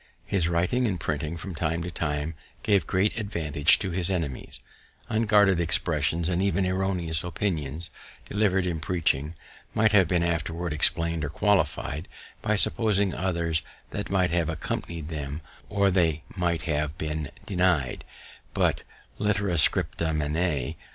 His writing and printing from time to time gave great advantage to his enemies; unguarded expressions, and even erroneous opinions, delivered in preaching, might have been afterwards explain'd or qualifi'd by supposing others that might have accompani'd them, or they might have been deny'd; but litera scripta manet.